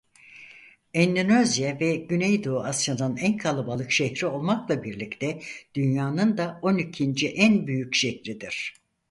Endonezya ve Güneydoğu Asya'nın en kalabalık şehri olmakla birlikte dünyanın da on ikinci en büyük şehridir.